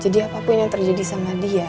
jadi apapun yang terjadi sama dia